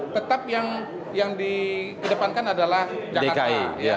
tetap yang dikedepankan adalah jakarta